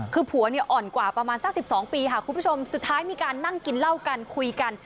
คือผัวเนี่ยอ่อนกว่าประมาณสัก๑๒ปีค่ะคุณผู้ชมสุดท้ายมีการนั่งกินเหล้ากันคุยกัน